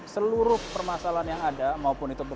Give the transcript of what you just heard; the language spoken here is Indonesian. seluruh permasalahan yang ada maupun itu